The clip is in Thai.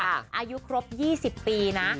อายุครบ๒๐ปีนะ